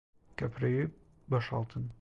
Köprüyü boşaltın!